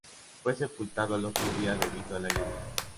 Fue sepultado al otro día debido a la lluvia.